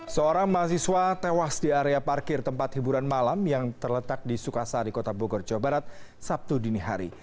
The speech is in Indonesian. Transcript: seorang mahasiswa tewas di area parkir tempat hiburan malam yang terletak di sukasari kota bogor jawa barat sabtu dini hari